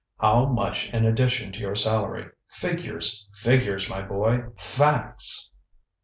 How much in addition to your salary? Figures! figures, my boy! Facts!